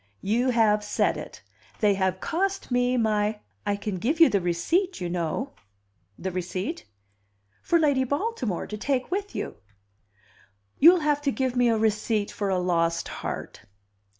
"You have said it. They have cost me my " "I can give you the receipt, you know." "The receipt?" "For Lady Baltimore, to take with you." "You'll have to give me a receipt for a lost heart."